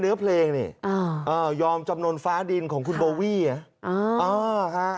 เนื้อเพลงนี่ยอมจำนวนฟ้าดินของคุณโบวี่อ่ะ